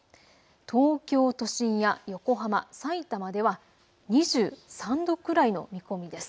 東京都心や横浜、さいたまでは２３度くらいの見込みです。